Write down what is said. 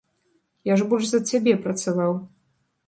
Я ж больш за цябе працаваў.